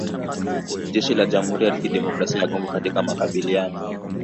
jeshi la jamhuri ya kidemokrasia ya Kongo katika makabiliano